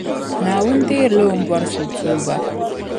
Naawuni deerila O ni bɔri so tuuba